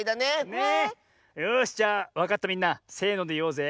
よしじゃあわかったみんなせのでいおうぜ。